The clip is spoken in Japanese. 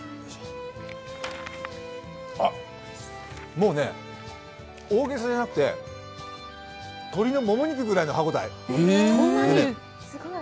もうね、大げさじゃなくて鶏のもも肉ぐらいの歯応え。